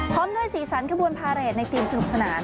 พร้อมด้วยสีสันขบวนพาเรทในทีมสนุกสนาน